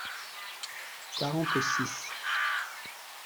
Quarante-six.